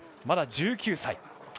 まだ１９歳。